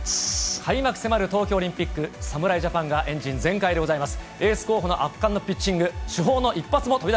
開幕迫る東京オリンピック、侍ジャパンがエンジン全開でございます。